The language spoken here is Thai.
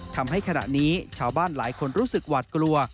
ทำให้ขณะนี้ชาวบ้านหลายคนรู้สึกหวาดกลัว